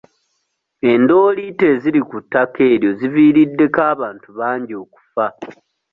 Endooliito eziri ku ttaka eryo ziviiriddeko abantu bangi okufa.